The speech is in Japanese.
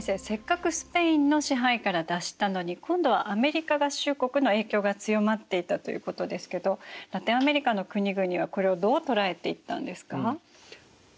せっかくスペインの支配から脱したのに今度はアメリカ合衆国の影響が強まっていたということですけどラテンアメリカの国々はこれをどう捉えていったんですか？